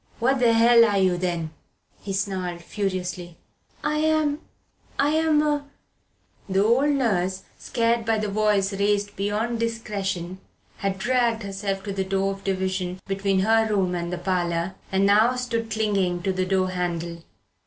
"What the hell are you, then?" he snarled furiously. "I'm I'm a " The old nurse, scared by the voice raised beyond discretion, had dragged herself to the door of division between her room and the parlour, and now stood clinging to the door handle.